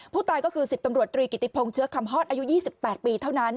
ผู้ตายก็คือ๑๐ตำรวจตรีกิติพงศ์เชื้อคำฮอดอายุ๒๘ปีเท่านั้น